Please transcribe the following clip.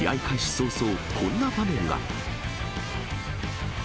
早々、こんな場面が。